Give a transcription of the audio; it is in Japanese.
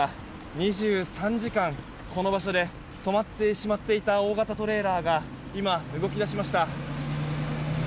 ２３時間、この場所で止まってしまっていた大型トレーラーが今、動き出しました。